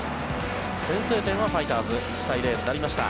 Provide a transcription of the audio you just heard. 先制点はファイターズ１対０になりました。